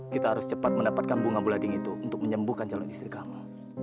kita harus cepat mendapatkan bunga bulading itu untuk menyembuhkan calon istri kami